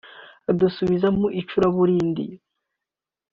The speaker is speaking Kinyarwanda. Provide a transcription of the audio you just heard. idusubize mu icuraburindi